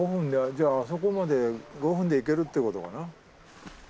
じゃああそこまで５分で行けるってことかな？